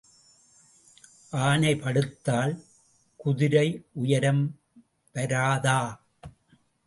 ஆனை படுத்தால் குதிரை உயரம் வராதா?